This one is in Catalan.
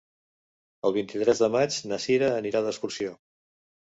El vint-i-tres de maig na Sira anirà d'excursió.